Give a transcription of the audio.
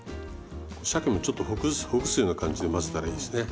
しゃけもちょっとほぐすような感じで混ぜたらいいですね。